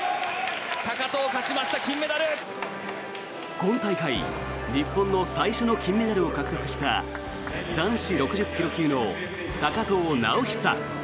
今大会日本の最初の金メダルを獲得した男子６０ｋｇ級の高藤直寿。